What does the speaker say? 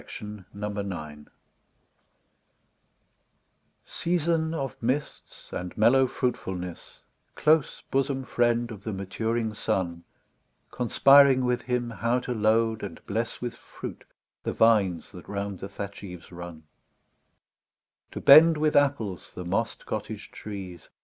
TO AUTUMN SEASON of mists and mellow fruitfulness, Close bosom friend of the maturing sun ; Conspiring with him how to load and bless With fruit the vines that round the thatch eves run ; To bend with apples the moss'd cottage trees.